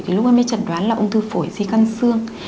thì lúc ấy mới chẩn đoán là ung thư phổi di căn xương